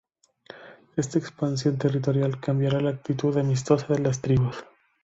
Esta expansión territorial cambiará la actitud amistosa de las tribus.